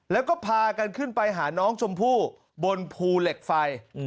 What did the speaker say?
แล้วก็พากันขึ้นไปหาน้องชมพู่บนภูเหล็กไฟ